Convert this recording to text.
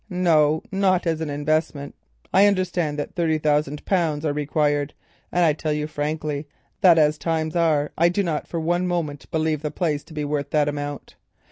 "No, not as an investment. I understand that thirty thousand pounds are required, and I tell you frankly that as times are I do not for one moment believe the place to be worth that amount.